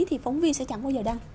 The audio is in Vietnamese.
thì phóng viên sẽ chẳng bao giờ đăng